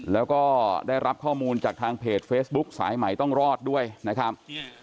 แล้วก็ได้รับข้อมูลจากทางเพจเฟซบุ๊คสายใหม่ต้องรอดด้วยนะครับ